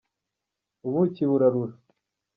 Ubuki burarura.